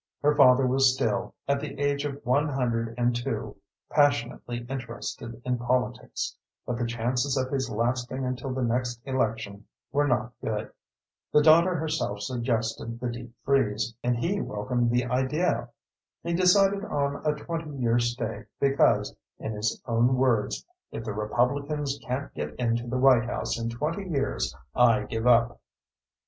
Her father was still, at the age of one hundred and two, passionately interested in politics, but the chances of his lasting until the next election were not good. The daughter herself suggested the deep freeze, and he welcomed the idea. He decided on a twenty year stay because, in his own words, "If the Republicans can't get into the White House in twenty years, I give up."